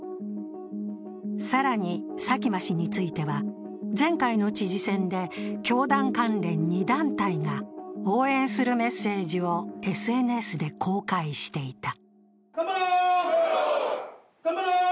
更に、佐喜真氏については、前回の知事選で教団関連２団体が応援するメッセージをＳＮＳで公開していた。